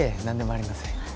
何でもありません。